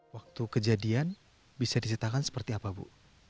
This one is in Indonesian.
waktu kejadian bisa diceritakan seperti apa bu